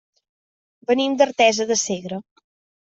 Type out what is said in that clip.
Venim d'Artesa de Segre.